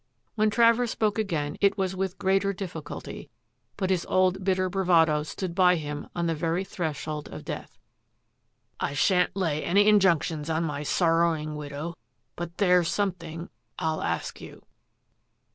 When Travers spoke again it was with greater difficulty, but his old bitter bravado stood by him on the very threshold of death. " I shan't lay any injunctions on my sorrowing widow, but there's something — I'll ask you.